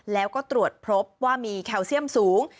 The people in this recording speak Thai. แล้วก็ตรวจพบว่ามีแคลเซียมสูง